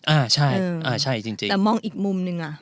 อ่าใช่แต่มองอีกมุมนึงอ่ะ